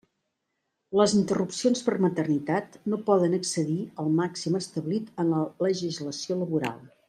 Les interrupcions per maternitat no poden excedir el màxim establit en la legislació laboral.